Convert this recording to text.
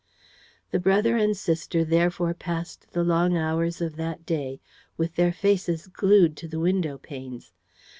The brother and sister therefore passed the long hours of that day with their faces glued to the window panes.